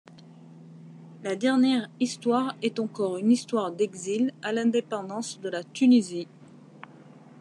La dernière histoire est encore une histoire d’exil, à l’Indépendance de la Tunisie.